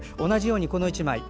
同じように１枚。